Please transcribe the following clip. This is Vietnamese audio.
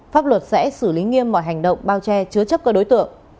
pháp luật sẽ xử lý nghiêm mọi hành động bao che chứa chấp các đối tượng